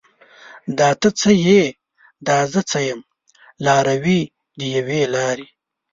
دا ته څه یې؟ دا زه څه یم؟ لاروي د یوې لارې